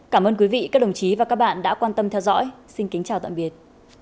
cảm ơn quý vị các đồng chí và các bạn đã quan tâm theo dõi xin kính chào tạm biệt